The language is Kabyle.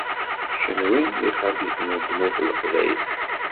Kenwi d ixabiten n Tmurt n Leqbayel.